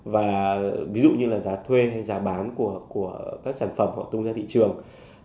và ví dụ như là giá thuê hay giá bán của các sản phẩm họ tung ra thị trường